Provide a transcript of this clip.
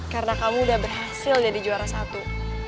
karena kamu udah berhasil jadi juara satu